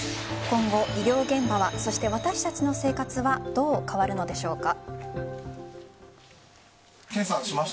今後、医療現場はそして私たちの生活はどう変わるのでしょうか。